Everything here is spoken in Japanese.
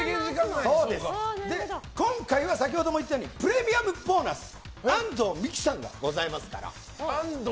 今回は先ほども言ったようにプレミアムボーナス安藤美姫さんがございますから。